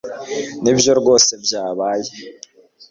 nibyo rwose byabaye